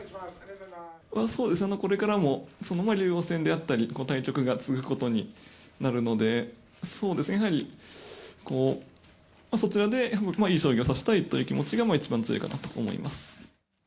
これからも竜王戦であったり、対局が続くことになるので、やはりそちらでいい将棋を指したいという気持ちが一番強いかなと思います。